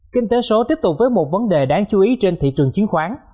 kinh tế số tiếp tục với một vấn đề đáng chú ý trên thị trường chứng khoán